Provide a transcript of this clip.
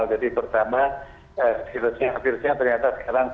jadi kalauhon terus punya lagi